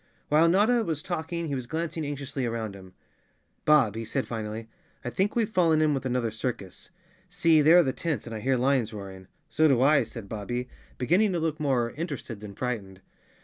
While Notta was talking he was glancing anxiously around him. "Bob," he said finally, "I think we've 37 The Cowardly Lion of Oz _ fallen in with another circus. See, there are the tents, and I hear lions roaring." "So do I," said Bobbie beginning to look more inter¬ ested than frightened.